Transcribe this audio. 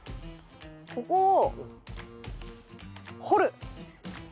ここを掘る！